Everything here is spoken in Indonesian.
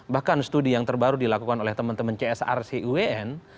bahkan studi yang terbaru dilakukan oleh teman teman csrc uwn